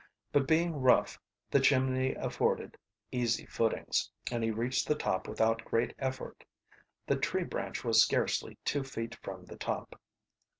But being rough the chimney afforded easy footings, and he reached the top without great effort. The tree branch was scarcely two feet from the top.